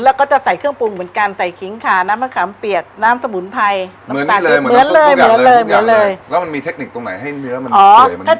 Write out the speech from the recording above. แล้วก็จะใส่เครื่องปรุงเหมือนกันใส่ขิงขาน้ำมะขามเปียกน้ำสมุนไพร